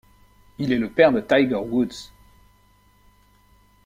Il est le père de Tiger Woods.